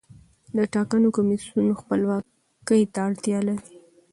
د ټاکنو کمیسیون خپلواکۍ ته اړتیا لري